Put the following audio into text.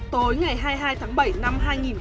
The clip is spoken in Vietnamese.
tối ngày hai mươi hai tháng bảy năm hai nghìn hai mươi